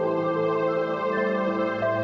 แต่โรงเรียนและรอดมาอยู่ล้อมภองไทย